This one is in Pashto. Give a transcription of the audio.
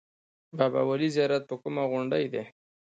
بابای ولي زیارت په کومه غونډۍ دی؟